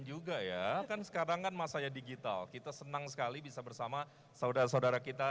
juga ya kan sekarang kan masanya digital kita senang sekali bisa bersama saudara saudara kita